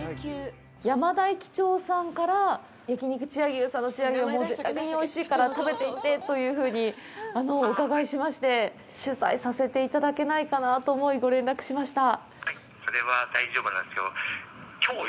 山田駅長さんから、焼肉千屋牛さんの千屋牛は、もう絶対的においしいから食べて行ってというふうにお伺いしまして、取材させていただけないかなと思い、ご連絡しました。